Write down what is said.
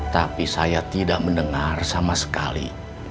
tapi saya tidak mendengar sama sekali